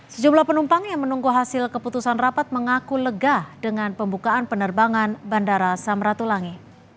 sejumlah penumpang yang menunggu hasil keputusan rapat mengaku lega dengan pembukaan penerbangan bandara samratulangi